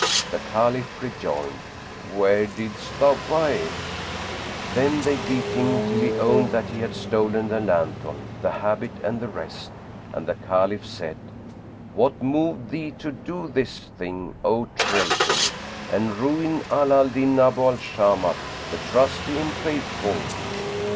The Caliph rejoined, "Where didst thou buy it?" Then they beat him till he owned that he had stolen the lanthorn, the habit and the rest, and the Caliph said "What moved thee to do this thing O traitor, and ruin Ala al Din Abu al Shamat, the Trusty and Faithful?"